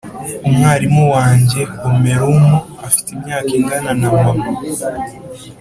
umwarimu wanjye homeroom afite imyaka ingana na mama.